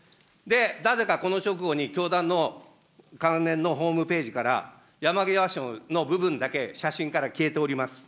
なぜか、この直後に教団の関連のホームページから山際氏の部分だけ写真から消えております。